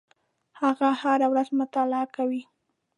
هغه هره ورځ مطالعه کوي.